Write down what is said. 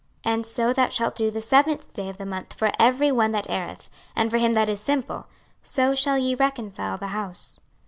26:045:020 And so thou shalt do the seventh day of the month for every one that erreth, and for him that is simple: so shall ye reconcile the house.